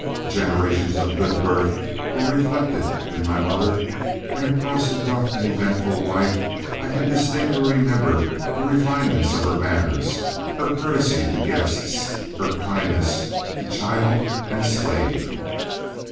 Generations of good birth were reflected in my mother; and across a rough and eventful life I can distinctly remember the refinement of her manners, her courtesy to guests, her kindness to child and slave.